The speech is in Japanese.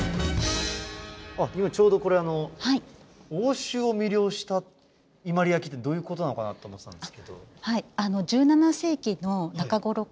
今ちょうどこれ欧州を魅了した伊万里焼ってどういうことなのかなって思ってたんですけど。